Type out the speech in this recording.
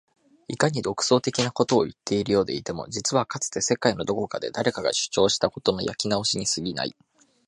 いかに独創的なことを言っているようでいても実はかつて世界のどこかで誰かが主張したことの焼き直しに過ぎない